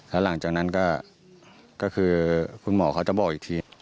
แล้วหลังจากนั้นก็คือคุณหมอเขาจะบอกอีกที